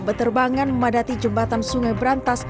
berterbangan memadati jembatan sungai berantas